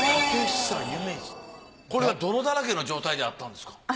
これは泥だらけの状態であったんですか？